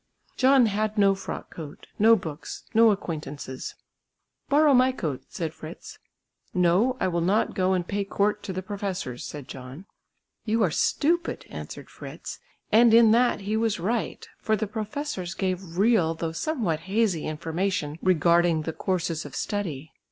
John had no frock coat, no books, no acquaintances. "Borrow my coat," said Fritz. "No, I will not go and pay court to the professors," said John. "You are stupid," answered Fritz, and in that he was right, for the professors gave real though somewhat hazy information regarding the courses of study.